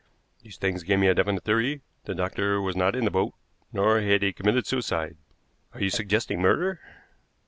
These things gave me a definite theory. The doctor was not in the boat, nor had he committed suicide." "Are you suggesting murder?"